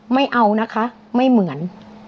ไม่เอานะคะไม่เหมือน